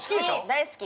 ◆大好き。